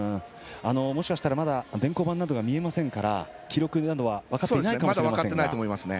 もしかしたら、まだ電光板などが見えませんから記録などは分かっていないかもしれませんが。